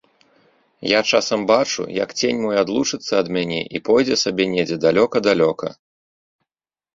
Я часам бачу, як цень мой адлучыцца ад мяне і пойдзе сабе недзе далёка-далёка!